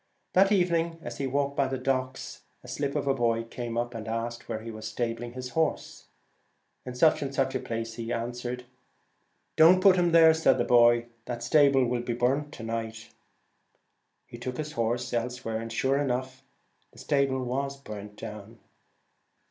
That evening, as he walked by the docks, a slip of a boy came up and asked where he was stabling his horse. In such and such a place, he answered. ' Don't put him there,' said the slip of a boy ;' that stable will be burnt to night' He took his horse else where, and sure enough the stable was burnt down.